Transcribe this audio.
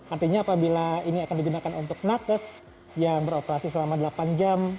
artinya apabila ini akan digunakan untuk nakes yang beroperasi selama delapan jam